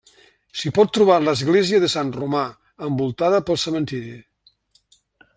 S'hi pot trobar l'església de Sant Romà, envoltada pel cementiri.